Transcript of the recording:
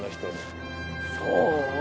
そう？